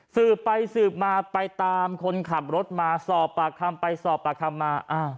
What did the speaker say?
สืบไปสืบมาไปตามคนขับรถมาสอบปากคำไปสอบปากคำมา